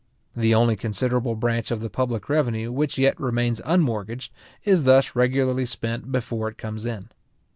The only considerable branch of the public revenue which yet remains unmortgaged, is thus regularly spent before it comes in.